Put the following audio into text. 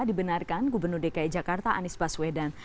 dibenarkan gubernur dki jakarta anies baswedan